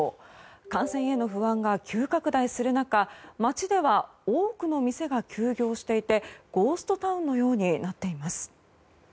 感染への不安が急拡大する中街では多くの店が休業していてゴーストタウンのようになっています。